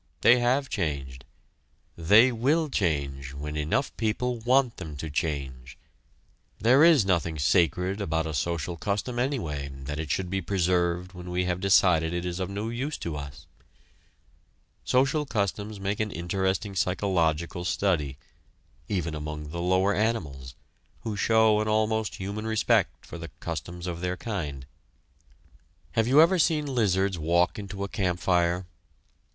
They have changed. They will change when enough people want them to change. There is nothing sacred about a social custom, anyway, that it should be preserved when we have decided it is of no use to us. Social customs make an interesting psychological study, even among the lower animals, who show an almost human respect for the customs of their kind. Have you ever seen lizards walk into a campfire?